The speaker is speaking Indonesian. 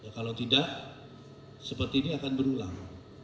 kalau tidak seperti ini akan berulang